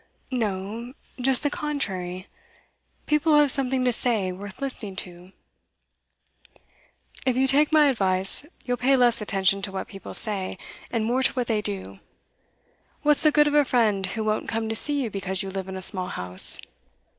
'No. Just the contrary. People who have something to say worth listening to.' 'If you take my advice, you'll pay less attention to what people say, and more to what they do. What's the good of a friend who won't come to see you because you live in a small house?